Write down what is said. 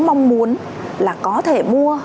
mong muốn là có thể mua